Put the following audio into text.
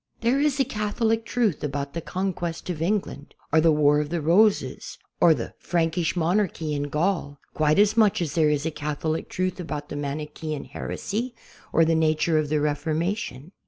There is a Catholic truth about the Conquest of Eng land, or the War of the Roses, or the Prankish Mon r) CATHOLIC TRUTH IX HISTORY archy in Gaul, quite as much as there is Catholic truth about the Manichean heresy or the nature of the Refor mation.